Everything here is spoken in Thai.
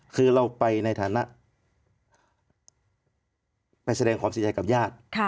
คือเราไปในฐานะไปแสดงความเสียใจกับญาติ